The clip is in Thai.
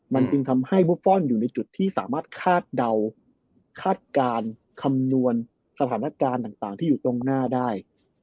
มันจึงทำให้บุฟฟอลอยู่ในจุดที่ขาดเดาขาดการคำวลสถานการณ์ท่างที่อยู่ข้างหน้าได้